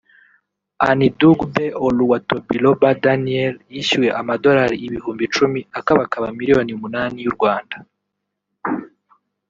Anidugbe Oluwatobiloba Daniel yishyuwe amadolari ibihumbi icumi [akabakaba miliyoni umunani y’u Rwanda]